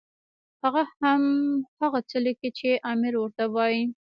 هغه هم هغه څه لیکي چې امیر ورته وایي.